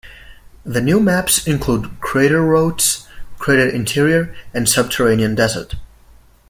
The new maps include Crater Routes, Crater Interior, and Subterranean Desert.